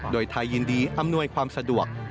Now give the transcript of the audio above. โดยไทยยินดีอำนวยความสะดวก